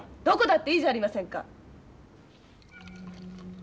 どこだっていいじゃありませんか！